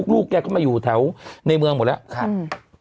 ลูกแกเข้ามาอยู่แถวในเมืองหมดแล้ว